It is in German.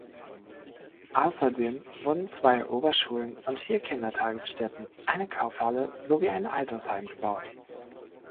Außerdem wurden zwei Oberschulen und vier Kindertagesstätten, eine Kaufhalle sowie ein Altersheim gebaut.